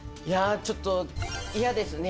ちょっと嫌ですね。